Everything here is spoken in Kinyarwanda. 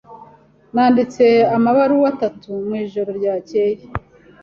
Nanditse amabaruwa atatu mwijoro ryakeye.